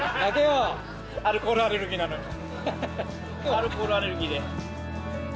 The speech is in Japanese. アルコールアレルギーで。